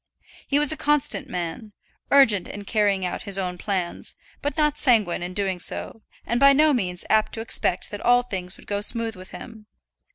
He was a constant man; urgent in carrying out his own plans, but not sanguine in doing so, and by no means apt to expect that all things would go smooth with him.